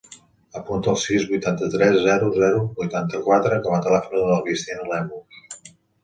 Apunta el sis, vuitanta-tres, zero, zero, vuitanta-quatre com a telèfon de la Cristina Lemus.